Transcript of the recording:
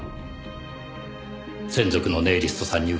専属のネイリストさんに伺いました。